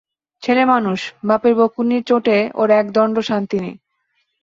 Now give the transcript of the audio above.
ছেলেমানুষ, বাপের বকুনির চোটে ওর একদণ্ড শান্তি নেই।